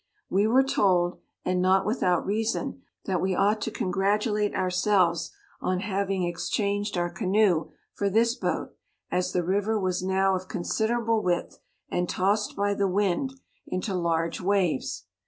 We were told (and not without reason) that we ought to con gratulate ourselves on having ex changed our canoe for this boat, as the river was now of considerable width, and tossed by the wind into large 66 waves.